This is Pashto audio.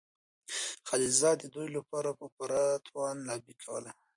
خلیلزاد د دوی لپاره په پوره توان لابي کوله.